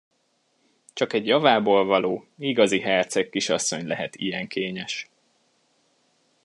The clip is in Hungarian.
Csak egy javából való, igazi hercegkisasszony lehet ilyen kényes.